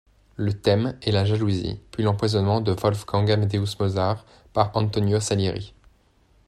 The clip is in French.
Le thème est la jalousie puis l’empoisonnement de Wolfgang Amadeus Mozart par Antonio Salieri.